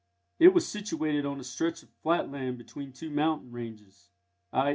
It was situated on a stretch of flat land between two mountain ranges, _i.